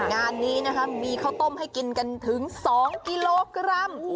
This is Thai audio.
งานนี้นะคะมีข้าวต้มให้กินกันถึง๒กิโลกรัม